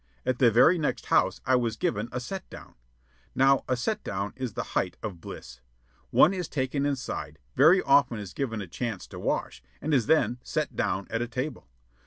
At the very next house I was given a "set down." Now a "set down" is the height of bliss. One is taken inside, very often is given a chance to wash, and is then "set down" at a table.